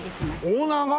オーナーが！？